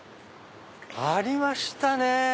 ありましたねぇ！